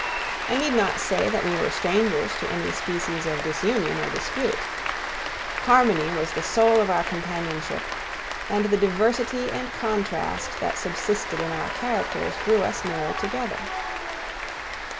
I need not say that we were strangers to any species of disunion or dispute. Harmony was the soul of our companionship, and the diversity and contrast that subsisted in our characters drew us nearer together.